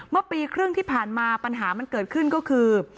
เมื่อปีครึ่งที่ผ่านมาปัญหามันเกิดขึ้นก็คือ